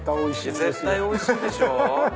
絶対おいしいでしょ？